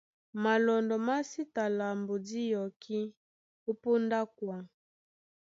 Malɔndɔ má sí ta lambo dí yɔkí ó póndá a kwaŋ.